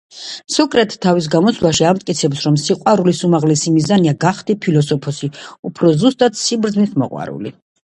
სოკრატე თავის გამოსვლაში ამტკიცებს, რომ სიყვარულის უმაღლესი მიზანია გახდე ფილოსოფოსი, უფრო ზუსტად სიბრძნის მოყვარული.